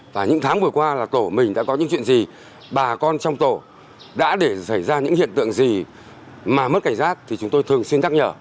và những tháng vừa qua tổ mình đã có những chuyện gì bà con trong tổ đã để xảy ra những hiện tượng gì mà mất cảnh giác thì chúng tôi thường xin đắc nhờ